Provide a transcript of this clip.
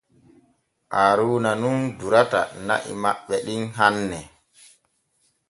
Haaruuna nun durata na’i maɓɓe ɗin hanne.